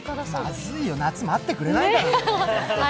まずいよ、夏待ってくれないからね。